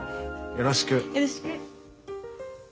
よろしく。